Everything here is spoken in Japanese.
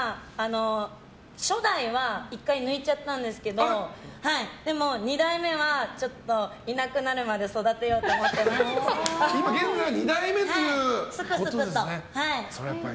初代は１回抜いちゃったんですけどでも、２代目はちょっといなくなるまで育てようと今現在２代目ということですね。